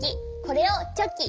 これをチョキ。